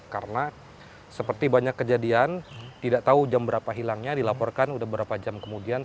karena seperti banyak kejadian tidak tahu jam berapa hilangnya dilaporkan udah berapa jam kemudian